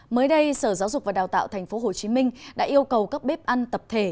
mới đây sở giáo dục và đào tạo tp hcm đã yêu cầu các bếp ăn tập thể